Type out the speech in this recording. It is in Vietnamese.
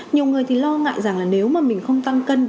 nhiều người lo ngại rằng nếu mình không tăng cân